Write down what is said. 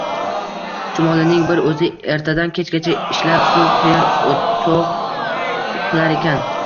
Chumolining bir o’zi ertadan-kechgacha ishlab suv quyar, o’toq qilar ekan